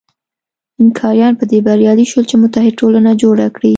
اینکاریان په دې بریالي شول چې متحد ټولنه جوړه کړي.